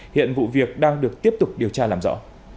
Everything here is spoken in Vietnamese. hiện vụ việc đang được tiếp tục điều tra làm rõ